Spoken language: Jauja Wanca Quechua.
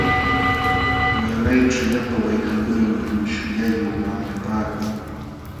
Waalayćhu llapa waytakunam shullayuq waalapaakun.